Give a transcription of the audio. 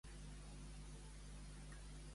El general Geronci els era fidel?